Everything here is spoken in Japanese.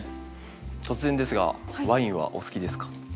突然ですがワインはお好きですか？